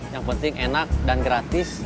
yang penting enak dan gratis